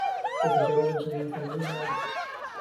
Profesora de Enseñanza Media en Valencia.